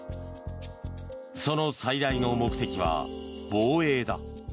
その最大の目的は防衛だ。